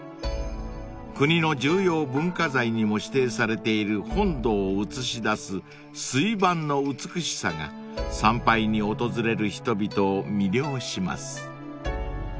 ［国の重要文化財にも指定されている本堂を映し出す水盤の美しさが参拝に訪れる人々を魅了します］